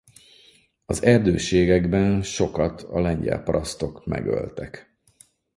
Az erdőségekben sokat a lengyel parasztok megöltek.